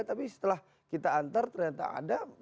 tapi setelah kita antar ternyata ada